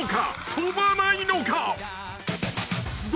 とばないのか？］